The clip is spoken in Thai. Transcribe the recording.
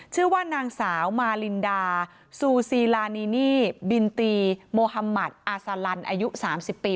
ชื่อว่านางสาวมาลินดาซูซีลานีนี่บินตีโมฮัมมัติอาซาลันอายุ๓๐ปี